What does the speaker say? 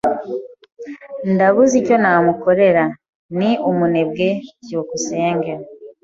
Ndabuze icyo namukorera. Ni umunebwe. byukusenge